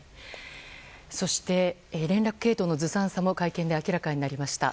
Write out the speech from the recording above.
そして連絡系統のずさんさも会見で明らかになりました。